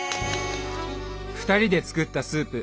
２人で作ったスープ。